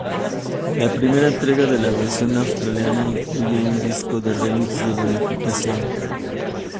La primera entrega de la versión australiana incluye un disco de remix de bonificación.